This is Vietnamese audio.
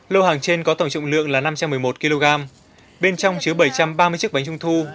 lô hàng trên có tổng trọng lượng là năm trăm một mươi một kg bên trong chứa bảy trăm ba mươi chiếc bánh trung thu